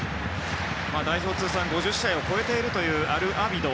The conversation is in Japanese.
代表通算５０試合を超えているというアルアビド。